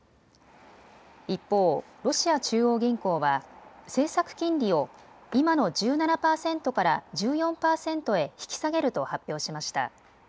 一方、ロシア中央銀行は政策金利を今の１７％から１４％へ引き下げると発表しました。